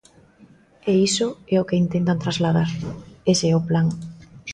E iso é o que intentan trasladar, ese é o plan.